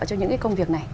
cho những cái công việc này